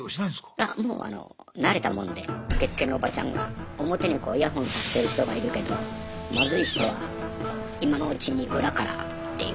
いやもう慣れたもんで受付のおばちゃんが表にイヤホンさしてる人がいるけどマズい人は今のうちに裏からっていう。